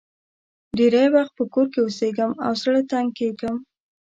ډېری وخت په کور کې اوسېږم او زړه تنګ کېږم.